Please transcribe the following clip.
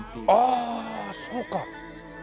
ああそうか。